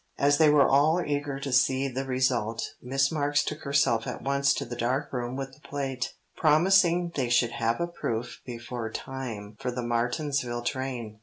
As they were all eager to see the result, Miss Marks took herself at once to the dark room with the plate, promising they should have a proof before time for the Martinsville train.